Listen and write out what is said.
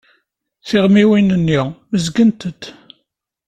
Tiɣmiwin-nni mmezgent-d.